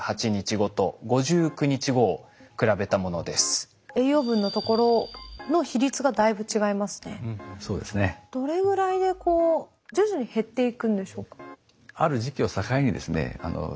どれぐらいでこう徐々に減っていくんでしょうか？